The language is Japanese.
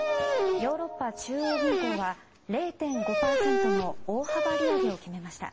ヨーロッパ中央銀行は０．５％の大幅利上げを決めました。